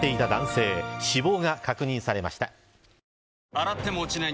洗っても落ちない